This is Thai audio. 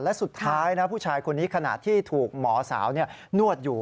และสุดท้ายนะผู้ชายคนนี้ขณะที่ถูกหมอสาวนวดอยู่